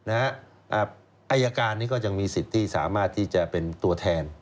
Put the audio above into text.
อายการนี้ก็ยังมีสิทธิ์ที่สามารถที่จะเป็นตัวแทน